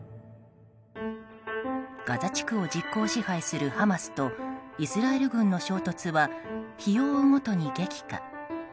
ガザ地区を実効支配するハマスとイスラエル軍の衝突は日を追うごとに激化。